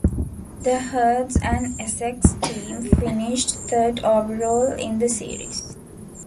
The Herts and Essex Team finished third overall in the series.